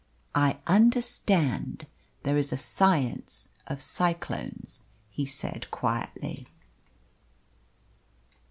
"I understand there is a science of cyclones," he said quietly.